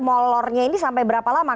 dan target molornya ini sampai berapa lama